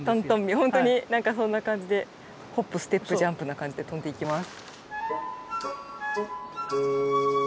ほんとになんかそんな感じでホップステップジャンプな感じで跳んでいきます。